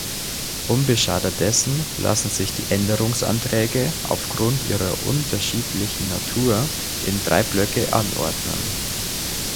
Unbeschadet dessen lassen sich die Änderungsanträge aufgrund ihrer unterschiedlichen Natur in drei Blöcke anordnen.